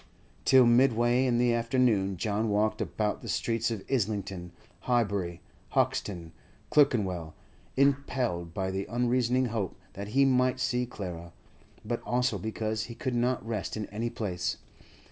Till midway in the afternoon John walked about the streets of Islington, Highbury, Hoxton, Clerkenwell, impelled by the unreasoning hope that he might see Clara, but also because he could not rest in any place.